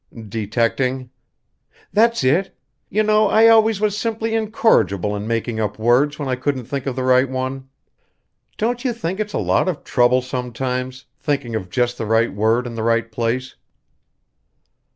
"Detecting?" "That's it. You know I always was simply incorrigible in making up words when I couldn't think of the right one. Don't you think it's a lot of trouble sometimes thinking of just the right word in the right place?"